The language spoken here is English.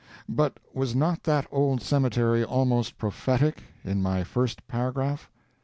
But was not that old cemetery almost prophetic, in my first paragraph?